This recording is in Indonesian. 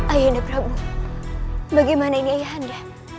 ayahnya prabu bagaimana ini ayahnya